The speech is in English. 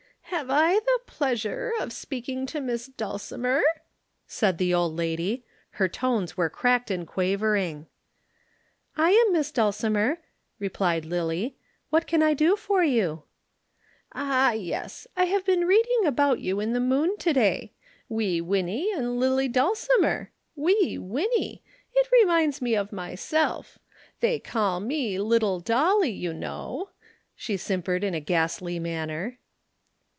"Have I the pleasure of speaking to Miss Dulcimer?" said the old lady. Her tones were cracked and quavering. "I am Miss Dulcimer," replied Lillie. "What can I do for you?" "Ah, yes, I have been reading about you in the Moon to day. Wee Winnie and Lillie Dulcimer! Wee Winnie! It reminds me of myself. They call me Little Dolly, you know." She simpered in a ghastly manner.